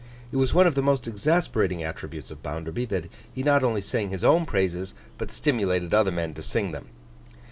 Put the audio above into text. It was one of the most exasperating attributes of Bounderby, that he not only sang his own praises but stimulated other men to sing them.